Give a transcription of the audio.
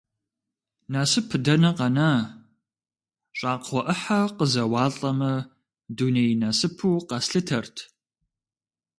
Насып дэнэ къэна, щӏакхъуэ ӏыхьэ къызэуалӏэмэ, дуней насыпу къэслъытэрт.